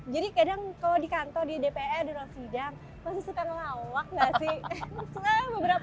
jadi kadang kalau di kantor di dpe di ruang sidang